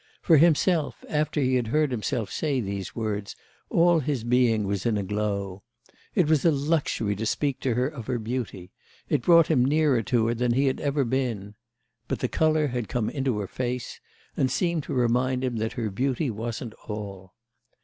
For himself, after he had heard himself say these words, all his being was in a glow. It was a luxury to speak to her of her beauty; it brought him nearer to her than he had ever been. But the colour had come into her face and seemed to remind him that her beauty wasn't all.